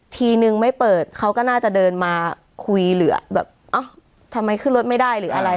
ทีนึงไม่เปิดเขาก็น่าจะเดินมาคุยเหลือแบบเอ้าทำไมขึ้นรถไม่ได้หรืออะไร